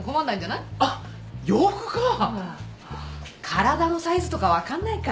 体のサイズとか分かんないか。